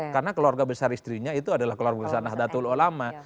karena keluarga besar istrinya itu adalah keluarga besar nahdlatul ulama